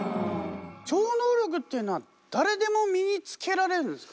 超能力っていうのは誰でも身につけられるんですか？